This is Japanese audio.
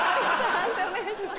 判定お願いします。